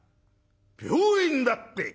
「病院だって！？